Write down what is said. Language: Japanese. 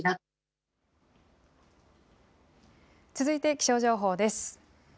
続いて気象情報です。